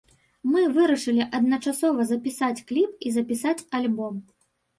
Мы вырашылі адначасова запісаць кліп і запісаць альбом.